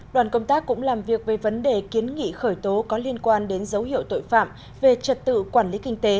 đoàn công tác cũng làm việc về vấn đề kiến nghị khởi tố có liên quan đến dấu hiệu tội phạm về trật tự quản lý kinh tế